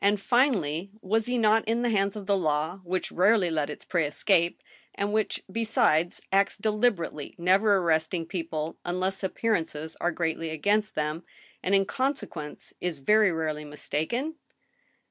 finally, was he not in the hands of the law, which rarely ' lets its prey escape, and which, besides, acts deliberately, never ar AN ILL UMJNA TION. * 149 resting people unless appearances are greatly against them, and in consequence is very rarely mistaken